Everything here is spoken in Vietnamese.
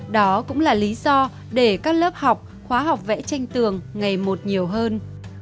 đó cũng là lý do để các lớp học khóa học vẽ tranh tường ngày một nhiều hơn